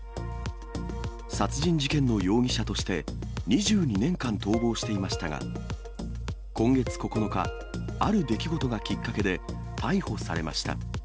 殺人事件の容疑者として２２年間逃亡していましたが、今月９日、ある出来事がきっかけで逮捕されました。